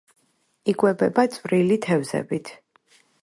იკვებება წვრილი თევზებით.